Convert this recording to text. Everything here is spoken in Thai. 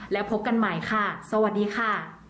แล้วพบกันใหม่ค่ะสวัสดีค่ะ